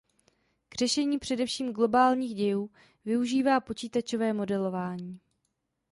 K řešení především globálních dějů využívá počítačové modelování.